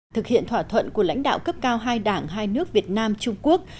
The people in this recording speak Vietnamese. thực hiện thỏa thuận của lãnh đạo cấp cao hai đảng hai nước việt nam trung quốc